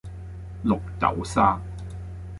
綠豆沙